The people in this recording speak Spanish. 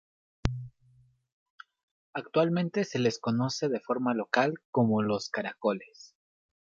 Actualmente se les conoce de forma local como "los Caracoles".